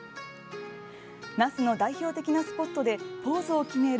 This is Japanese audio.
那須の代表的なスポットでポーズを決める